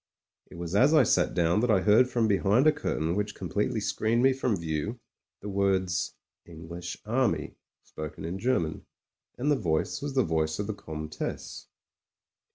It was as I sat down that I heard from behind a curtain which completely screened me from view, the words "English Army" spoken in German. And the voice was the voice of the Comtesse.